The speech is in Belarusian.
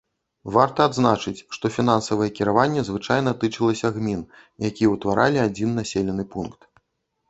Варта адзначыць, што фінансавае кіраванне звычайна тычылася гмін, якія ўтваралі адзін населены пункт.